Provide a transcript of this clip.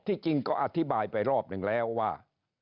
จริงก็อธิบายไปรอบหนึ่งแล้วว่า